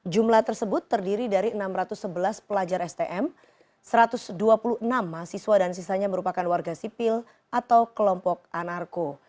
jumlah tersebut terdiri dari enam ratus sebelas pelajar stm satu ratus dua puluh enam mahasiswa dan sisanya merupakan warga sipil atau kelompok anarko